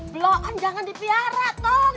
blon jangan dipiara tong